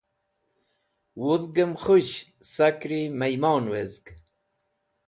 Wudhgẽm khush sakri mymon wezg.